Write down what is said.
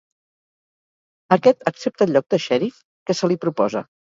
Aquest accepta el lloc de xèrif que se li proposa.